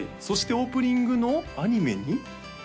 そしてオープニングのアニメに？